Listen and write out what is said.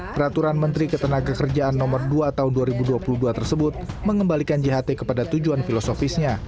peraturan menteri ketenagakerjaan nomor dua tahun dua ribu dua puluh dua tersebut mengembalikan jht kepada tujuan filosofisnya